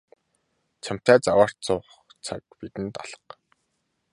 Чамтай заваарч суух цаг бидэнд алга.